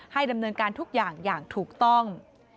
ดำเนินการทุกอย่างอย่างถูกต้อง